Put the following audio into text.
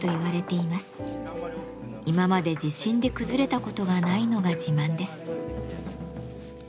今まで地震で崩れたことがないのが自慢です。